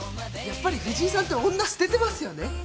やっぱり藤井さんって女捨ててますよね？